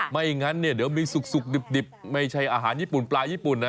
ไม่งั้นเนี่ยเดี๋ยวมีสุกดิบไม่ใช่อาหารญี่ปุ่นปลาญี่ปุ่นนะ